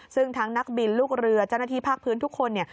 ซึ่งทั้งนักบินลูกเรือเจ้าหน้าที่ภาคพื้นทุกคนเนี่ย